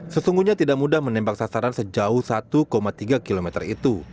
sesungguhnya tidak mudah menembak sasaran sejauh satu tiga km itu